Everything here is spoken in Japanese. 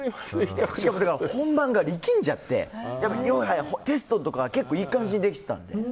本番が力んじゃってテストとか結構、いい感じにできてたんです。